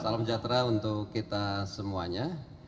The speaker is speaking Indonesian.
salam sejahtera untuk kita semuanya